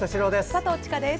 佐藤千佳です。